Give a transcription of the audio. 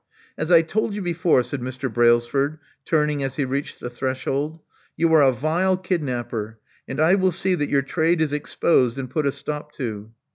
As I told you before," said Mr. Brailsford, turning as he reached the threshold, you are a vile kid napper ; and I will see that your trade is exposed and put a stop to."